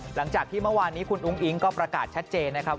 หลังจากที่เมื่อวานนี้คุณอุ้งอิ๊งก็ประกาศชัดเจนนะครับ